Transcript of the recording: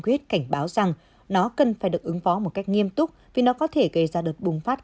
quyết cảnh báo rằng nó cần phải được ứng phó một cách nghiêm túc vì nó có thể gây ra đợt bùng phát